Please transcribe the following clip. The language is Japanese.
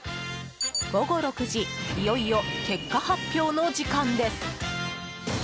午後６時いよいよ結果発表の時間です。